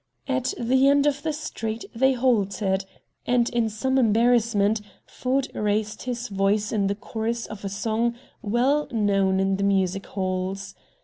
At the end of the street they halted, and in some embarrassment Ford raised his voice in the chorus of a song well known in the music halls.